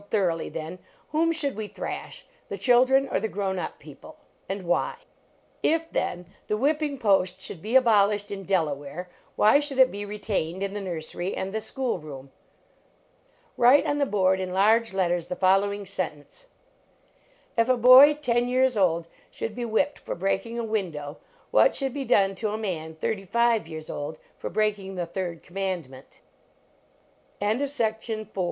thoroughly, then, whom should we thrash, the children or the grown up peo l>le?_And why? If, then, the whipping post should LEARNING TO READ be abolished in Delaware, why should it be retained in the nursery and the school room? Write on the board, in large letters, the following sentence : If a boy ten years old should be whipped for breaking a window, what should be done to a man thirty five years old f